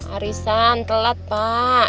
arisan telat pak